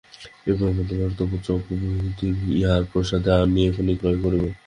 হে ব্রাহ্মণ, তোমার তপ, জপ, বিদ্যাবুদ্ধি-ইঁহারই প্রসাদে আমি এখনই ক্রয় করিব।